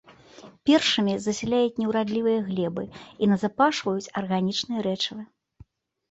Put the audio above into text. Першымі засяляюць неўрадлівыя глебы і назапашваюць арганічныя рэчывы.